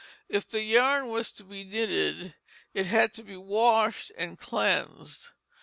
If the yarn was to be knitted, it had to be washed and cleansed.